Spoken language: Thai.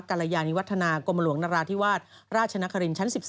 กรยานิวัฒนากรมหลวงนราธิวาสราชนครินชั้น๑๓